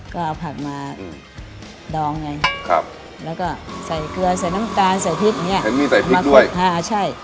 ก็เอาผักมาดองไงครับแล้วก็ใส่เกลือใส่น้ำตาลใส่พริกอย่างเงี้ยเห็นมีใส่พริกด้วยอ่าใช่